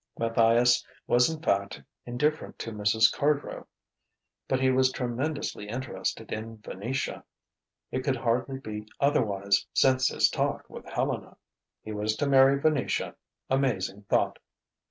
Matthias was in fact indifferent to Mrs. Cardrow. But he was tremendously interested in Venetia. It could hardly be otherwise since his talk with Helena. He was to marry Venetia. Amazing thought!